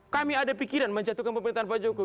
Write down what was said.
kami ada pikiran menjatuhkan pemerintahan pak jokowi